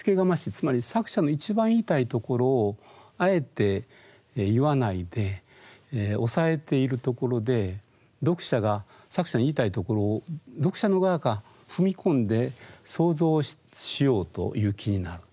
つまり作者の一番言いたいところをあえて言わないで抑えているところで読者が作者の言いたいところをそれがすばらしいと思うんですよね。